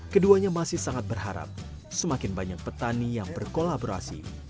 keduanya masih sangat berharap semakin banyak petani yang berkolaborasi